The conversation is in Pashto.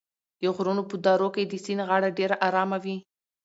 د غرونو په درو کې د سیند غاړه ډېره ارامه وي.